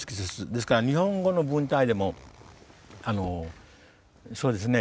ですから日本語の文体でもそうですね